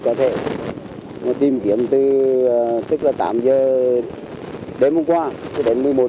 và tập trung mọi nguồn lực